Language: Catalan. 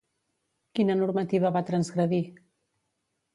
Quina normativa va transgredir?